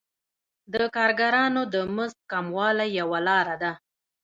د کارګرانو د مزد کموالی یوه لاره ده